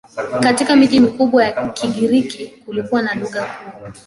Katika miji mikubwa Kigiriki kilikuwa lugha kuu.